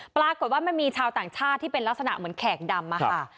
ปรากฏว่ามันมีชาวต่างชาติที่เป็นลักษณะเหมือนแขกดำอะค่ะ